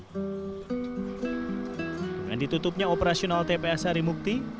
dengan ditutupnya operasional tpa sari mukti